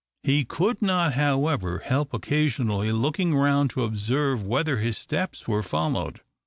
He could not, however, help occasionally looking round to observe whether his steps were followed.